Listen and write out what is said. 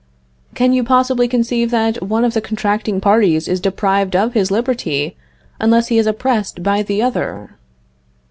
Can you possibly conceive that one of the contracting parties is deprived of his liberty unless he is oppressed by the other?